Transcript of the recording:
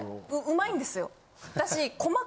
上手いんですよ。